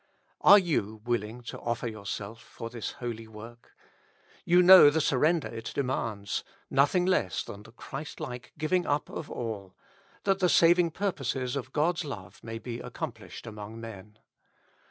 Are you willing to offer yourself for this holy work ? You know the surrender it demands— nothing less than the Christ like giving up of all, that the saving purposes of God's love may be accomplished among men.